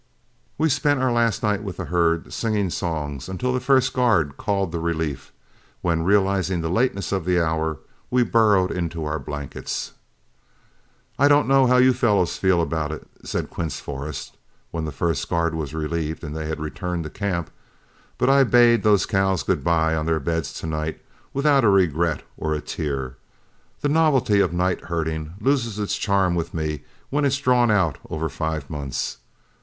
We spent our last night with the herd singing songs, until the first guard called the relief, when realizing the lateness of the hour, we burrowed into our blankets. "I don't know how you fellows feel about it," said Quince Forrest, when the first guard were relieved and they had returned to camp, "but I bade those cows good by on their beds to night without a regret or a tear. The novelty of night herding loses its charm with me when it's drawn out over five months.